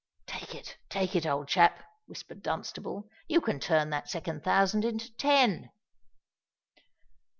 "Take it—take it, old chap," whispered Dunstable: "you can turn that second thousand into ten."